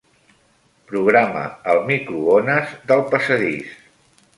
Programa el microones del passadís.